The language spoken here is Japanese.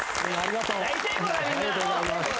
みんなありがとうございます